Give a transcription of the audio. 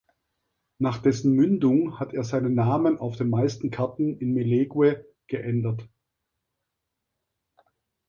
Nach dessen Mündung hat er seinen Namen auf den meisten Karten in Mellegue geändert.